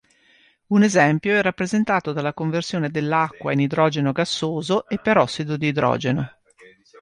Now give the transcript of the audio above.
Un esempio è rappresentato dalla conversione dell'acqua in idrogeno gassoso e perossido di idrogeno.